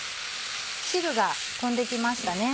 汁が飛んできましたね。